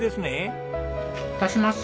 出します。